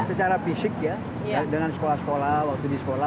secara fisik ya dengan sekolah sekolah waktu di sekolah